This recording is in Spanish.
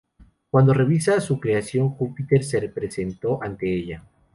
Cuando revisaba su creación, Júpiter se presentó ante ella.